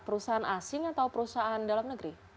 perusahaan asing atau perusahaan